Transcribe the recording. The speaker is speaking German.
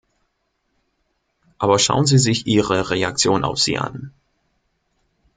Aber schauen Sie sich Ihre Reaktion auf sie an.